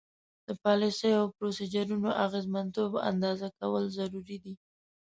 د پالیسیو او پروسیجرونو اغیزمنتوب اندازه کول ضروري دي.